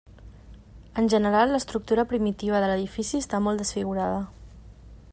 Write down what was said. En general l'estructura primitiva de l'edifici està molt desfigurada.